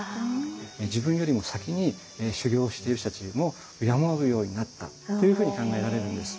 自分よりも先に修行してる人たちも敬うようになったっていうふうに考えられるんです。